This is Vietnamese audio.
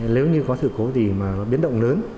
nếu như có sự cố gì mà biến động lớn